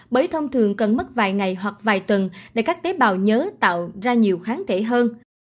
bởi thông thường cần mất vài ngày hoặc vài tuần để các tế bào nhớ tạo ra nhiều kháng thể hơn